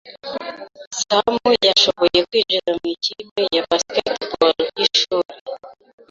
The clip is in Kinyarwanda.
Sam yashoboye kwinjira mu ikipe ya basketball yishuri.)